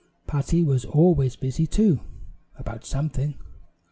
Patty was always busy, too, about something.